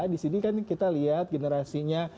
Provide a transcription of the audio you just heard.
di sini kan kita lihat generasinya